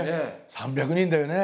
３００人だよね。